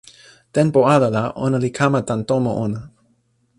tenpo ala la ona li kama tan tomo ona.